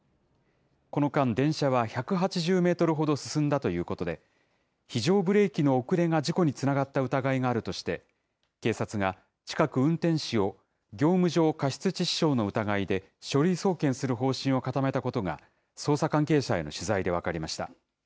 この間、電車は１８０メートルほど進んだということで、非常ブレーキの遅れが事故につながった疑いがあるとして、警察が近く運転士を業務上過失致死傷の疑いで、書類送検する方針を固めたことが、捜査関係者への取材で分かりました。